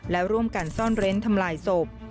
และร่วมกันซ่อนเร้นทำลายศพ